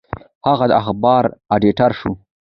هغه د اخبار ایډیټور شو.